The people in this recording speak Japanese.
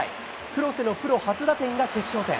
黒瀬のプロ初打点が決勝点。